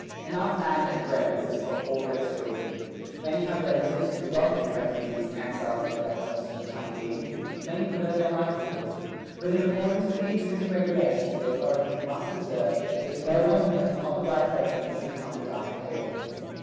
Enough land and bread exists for all its children. Many have relatives who would welcome the refugees and exiles into their homes for the time being; many could earn their livelihood. But in accordance with the existing regulations the authorities must observe that no one who has not the right of residence should come without the "Pale."